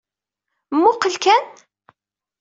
Mmuqqel kan!